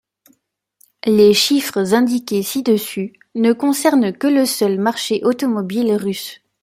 Les chiffres indiqués ci-dessus ne concernent que le seul marché automobile russe.